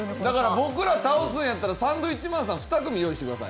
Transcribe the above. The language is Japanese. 僕ら倒すんやったらサンドウィッチマンさん２組用意してください。